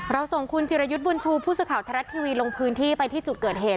เราส่งคุณจิรยุธบุญชูผู้สือข่าวเทรดตีวีลงพื้นที่ไปที่จุดเกิดเห็น